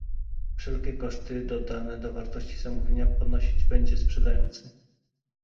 Wszelkie koszty dodane do wartości zamówienia ponosić będzie sprzedający